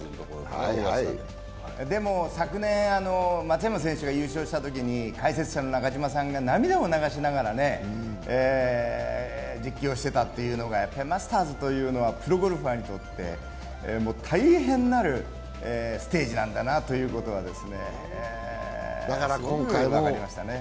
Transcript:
でも昨年、松山選手が優勝したときに解説者の中嶋さんが涙を流しながら実況してたというのがやはりマスターズというのはプロゴルファーにとって大変なるステージなんだなということがものすごい分かりましたね。